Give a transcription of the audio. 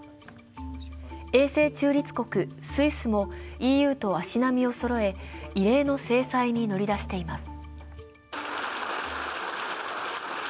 永世中立国・スイスもＥＵと足並みをそろえ異例の制裁に乗り出しています。